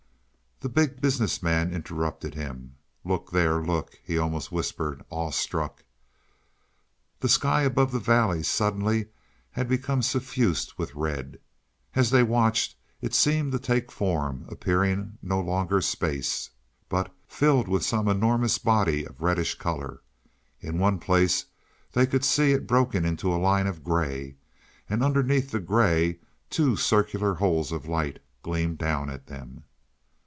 The Big Business Man interrupted him. "Look there, look!" he almost whispered, awestruck. The sky above the valley suddenly had become suffused with red. As they watched it seemed to take form, appearing no longer space, but filled with some enormous body of reddish color. In one place they could see it broken into a line of gray, and underneath the gray, two circular holes of light gleamed down at them.